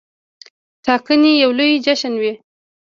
ټاکنې یو لوی جشن وي.